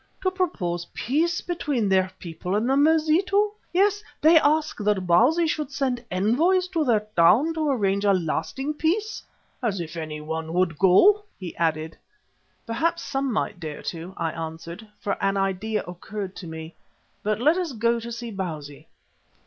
"To propose peace between their people and the Mazitu. Yes, they ask that Bausi should send envoys to their town to arrange a lasting peace. As if anyone would go!" he added. "Perhaps some might dare to," I answered, for an idea occurred to me, "but let us go to see Bausi."